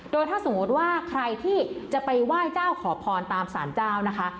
โดยถ้าสมมติว่าใครที่จะไปไหว้เจ้าขอพรตามสารเจ้านะคะ